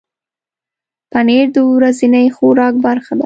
پنېر د ورځني خوراک برخه ده.